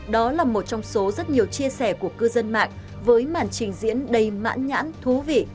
đó là một trong số rất nhiều chia sẻ của cư dân mạng với màn trình diễn đầy mãn nhãn thú vị